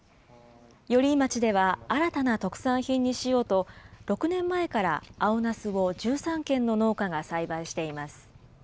寄居町では新たな特産品にしようと、６年前から青なすを１３軒の農家が栽培しています。